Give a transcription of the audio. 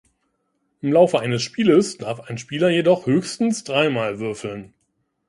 Im Laufe eines Spieles darf ein Spieler jedoch "höchstens dreimal" würfeln.